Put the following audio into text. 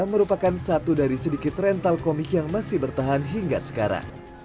merupakan satu dari sedikit rental komik yang masih bertahan hingga sekarang